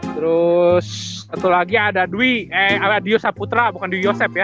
terus satu lagi ada dwi eh dio saputra bukan dwi yosep ya